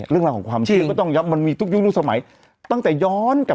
เรื่องราวของความเชื่อก็ต้องย้ำมันมีทุกยุคทุกสมัยตั้งแต่ย้อนกลับ